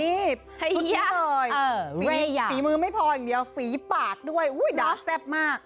นี่ชุดนี้เลยฝีมือไม่พออย่างเดียวฝีปากด้วยดาวแซ่บมาก